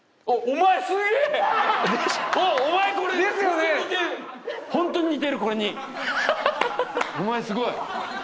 お前すごい。